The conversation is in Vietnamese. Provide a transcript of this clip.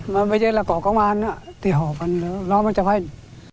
mà bây giờ là có công an thì họ vẫn lo mà chấp hành